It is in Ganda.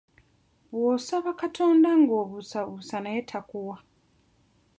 Bw'osaba Katonda nga obuusabuusa naye takuwa.